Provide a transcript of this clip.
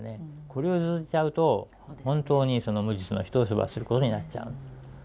これを譲っちゃうと本当にその無実の人を処罰することになっちゃう。